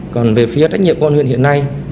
còn về phía trách nhiệm của công an huyện hiện nay